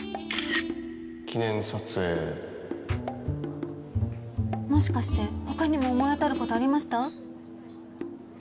記念撮影もしかしてほかにも思い当たることありました？